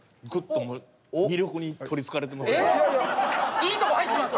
いいとこ入ってます？